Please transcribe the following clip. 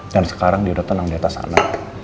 dan sekarang dia udah tenang diatas sana